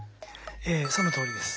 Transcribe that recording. ええそのとおりです。